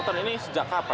mulai padat jam berapa